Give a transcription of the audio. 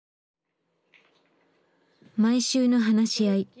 毎週の話し合い。